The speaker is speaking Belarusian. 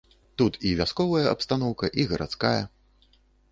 Тут і вясковая абстаноўка і гарадская.